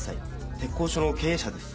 鉄工所の経営者です。